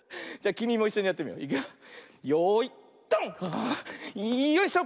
あよいしょ！